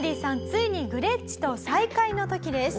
ついにグレッチと再会の時です」